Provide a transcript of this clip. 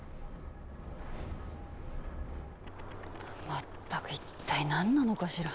まったく一体何なのかしら。